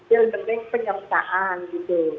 jalur dendeng penyertaan gitu